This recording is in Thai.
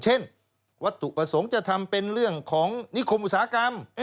เช่นวัตถุประสงค์จะทำเป็นเรื่องของนิคมอุตสาหกรรม